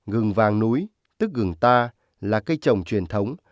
gừng vàng núi tức gừng ta là cây trồng truyền thống